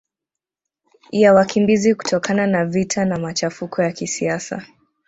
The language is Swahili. ya wakimbizi kutokana na vita na machafuko ya kisiasa